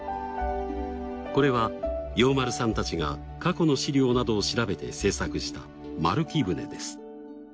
これは陽輪さんたちが過去の資料などを調べて制作した丸木舟です。